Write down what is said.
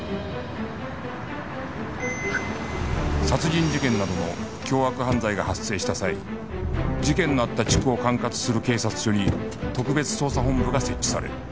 殺人事件などの凶悪犯罪が発生した際事件のあった地区を管轄する警察署に特別捜査本部が設置される